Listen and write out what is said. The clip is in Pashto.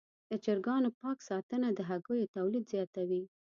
د چرګانو پاک ساتنه د هګیو تولید زیاتوي.